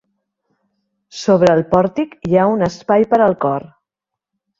Sobre el pòrtic hi ha un espai per al cor.